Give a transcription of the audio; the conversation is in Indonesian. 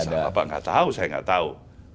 ada bapak nggak tahu saya nggak tahu